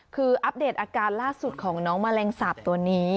คืออัปเดตอาการล่าสุดของน้องแมลงสาปตัวนี้